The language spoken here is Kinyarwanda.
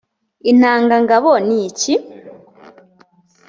intanga ngabo ni iki ‽